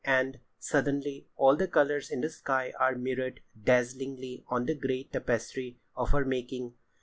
And, suddenly, all the colours in the sky are mirrored dazzlingly on the grey tapestry of her making.